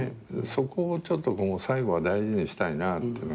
そこを最後は大事にしたいなっていうのがあって。